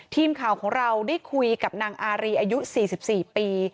ทีมข่าวของเราได้คุยกับนางอารีอายุ๔๔ปี